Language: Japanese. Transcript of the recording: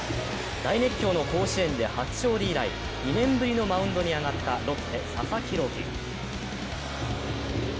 大熱狂の甲子園で初勝利以来、２年ぶりのマウンドに上がったロッテ・佐々木朗希。